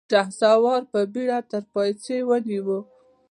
شهسوار په بېړه تر پايڅې ونيو.